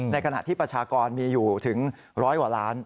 ขณะที่ประชากรมีอยู่ถึงร้อยกว่าล้าน